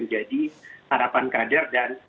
menjadi harapan kader dan